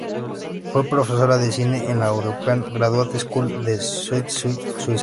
Fue profesora de cine en la European Graduate School de Saas-Fee, Suiza.